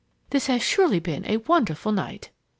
This has surely been a wonderful night!"